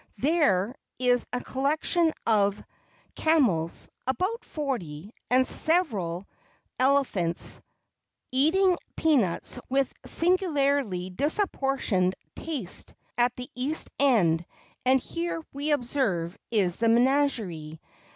There is a collection of camels about forty and several elephants, eating peanuts with singularly disproportioned taste, at the east end, and here, we observe, is the menagerie.